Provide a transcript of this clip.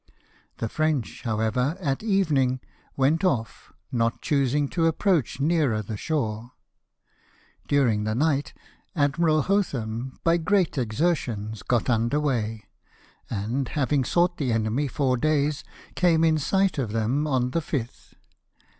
The French, however, at evening, went ofl", not choosing to approach nearer the shore. During the night Admiral Hotham, by great exertions, got under weigh; and, having sought the enemy four days, came in sight of them on the fifth.